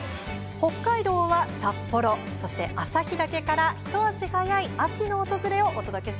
北海道は札幌、そして旭岳から一足早い秋の訪れを。